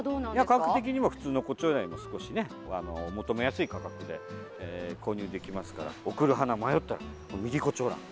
価格的にも普通のコチョウランよりも少しお求めやすい価格で購入できますから贈る花に迷ったらミディコチョウラン。